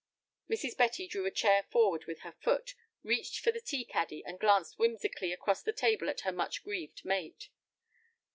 Mrs. Betty drew a chair forward with her foot, reached for the tea caddy, and glanced whimsically across the table at her much grieved mate.